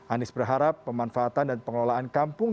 anies berharap pemanfaatan dan pengelolaan kampung